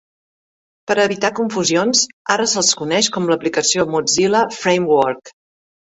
Per a evitar confusions, ara se'l coneix com l'aplicació Mozilla Framework.